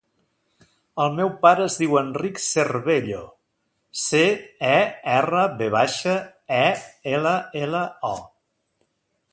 El meu pare es diu Eric Cervello: ce, e, erra, ve baixa, e, ela, ela, o.